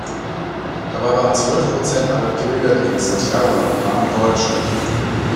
Dabei waren zwölf Prozent aller Pilger, die in Santiago ankamen, Deutsche.